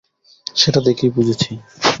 সেটা দেখেই বুঝেছি।